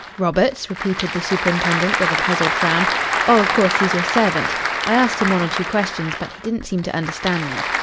"Roberts?" repeated the superintendent, with a puzzled frown. "Oh, of course, he's your servant. I asked him one or two questions, but he didn't seem to understand me."